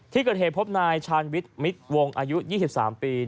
ที่เกิดเหตุพบนายชาญวิทย์มิตรวงอายุ๒๓ปี